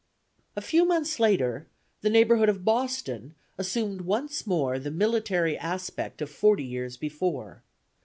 A few months later, the neighborhood of Boston assumed once more the military aspect of forty years before.